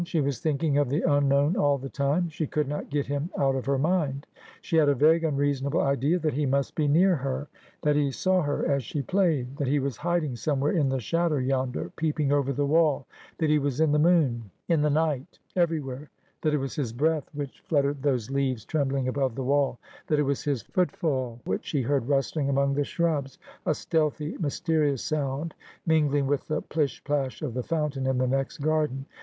She was thinking of the unknown all the time. She could not get him out of her mind. She had a vague unreasonable idea that he must be near her • that he saw her as she played ; that he was hiding somewhere in the shadow yonder, peeping over the wall ; that he was in the moon — in the night — everywhere ; that it was his breath which 'And Volatile, as ay was His Usage.' 25 fluttered those leaves trembling above the wall ; that it was his footfall which she heard rustling among the shrubs — a stealthy, mysterious sound mingling with the plish plash of the fountain in the next garden.